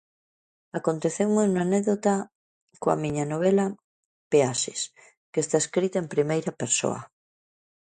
Aconteceume unha anécdota coa miña novela 'Peaxes', que está escrita en primeira persoa.